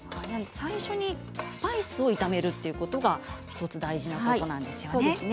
最初にスパイスを炒めることが大事なことなんですね。